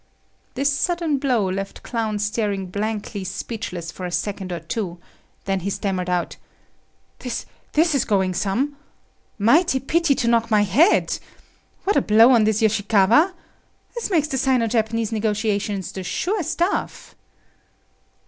This sudden blow left Clown staring blankly speechless for a second or two; then he stammered out: "This is going some! Mighty pity to knock my head. What a blow on this Yoshikawa! This makes the Sino Japanese negotiations the sure stuff."